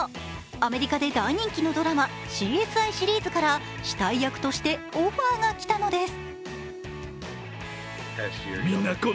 アメリカで大人気のドラマ「ＣＳＩ」シリーズから死体役としてオファーが来たのです。